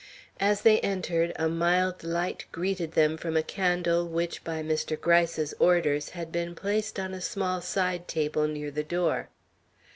As they entered, a mild light greeted them from a candle which, by Mr. Gryce's orders, had been placed on a small side table near the door.